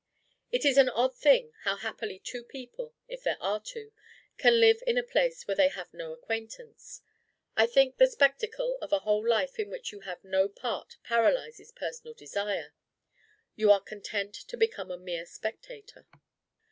It is an odd thing, how happily two people, if there are two, can live in a place where they have no acquaintance. I think the spectacle of a whole life in which you have no part paralyses personal desire. You are content to become a mere spectator.